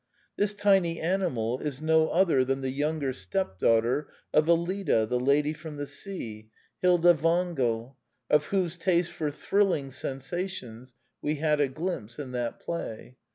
This tiny animal is no other than the younger stepdaughter of EUida, The Lady from the Sea, Hilda Wangel, of whose taste for '* thrilling " sensations we had a glimpse in that play.